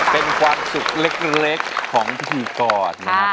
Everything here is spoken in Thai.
เป็นความสุขเล็กของพิธีกรนะครับ